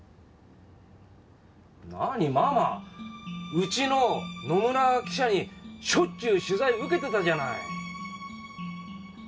うちの野村記者にしょっちゅう取材受けてたじゃない。